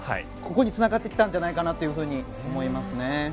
ここにつながってきたんじゃないかなと思いますね。